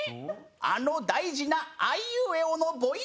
あの大事な「あいうえお」の母音の部分